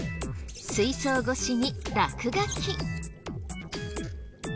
水槽越しに落書き。